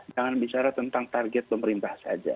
jangan bicara tentang target pemerintah saja